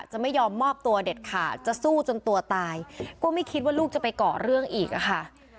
จะไม่ยอมมอบตัวเด็ดขาดจะสู้จนตัวตายก็ไม่คิดว่าลูกจะไปเกาะเรื่องอีกอะค่ะ